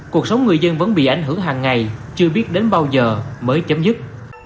cuộc sống người dân vẫn bị ảnh hưởng hàng ngày chưa biết đến bao giờ mới chấm dứt